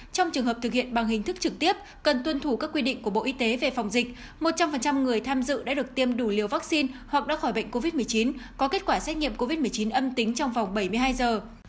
trong trường hợp thực hiện bằng hình thức trực tiếp cần tuân thủ các quy định của bộ y tế về phòng dịch một trăm linh người tham dự đã được tiêm đủ liều vaccine hoặc đã khỏi bệnh covid một mươi chín có kết quả xét nghiệm covid một mươi chín âm tính trong vòng bảy mươi hai giờ